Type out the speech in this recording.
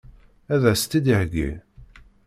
Ad as-tt-id-iheggi?